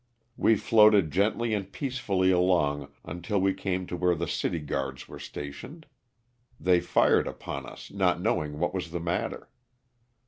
We floated gently and peacefully along until we came to where the city guards were stationed ; they fired upon us not knowing what was the matter.